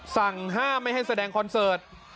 สั่งห้ามไม่ให้แสดงคอนเสิร์ต